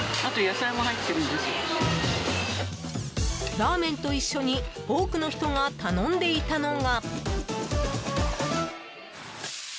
ラーメンと一緒に多くの人が頼んでいたのが。